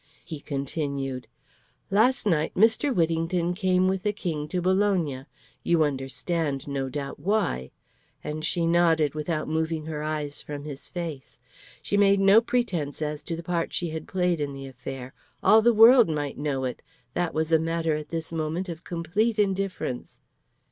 He continued: "Last night Mr. Whittington came with the King to Bologna you understand, no doubt, why;" and she nodded without moving her eyes from his face. She made no pretence as to the part she had played in the affair. All the world might know it. That was a matter at this moment of complete indifference.